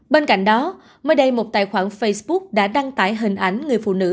bên cạnh đó mới đây một tài khoản facebook đã đăng tải hình ảnh người phụ nữ